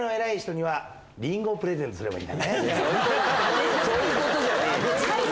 そういうことじゃねえよ！